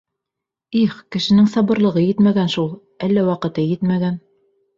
— Их, кешенең сабырлығы етмәгән шул, әллә ваҡыты етмәгән.